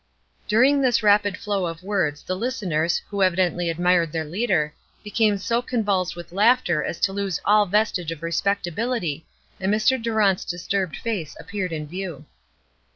During this rapid flow of words the listeners, who evidently admired their leader, became so convulsed with laughter as to lose all vestige of respectability, and Mr. Durant's disturbed face appeared in view.